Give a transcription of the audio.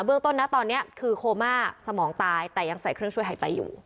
เรื่องต้นนะตอนนี้คือโคม่าสมองตายแต่ยังใส่เครื่องช่วยหายใจอยู่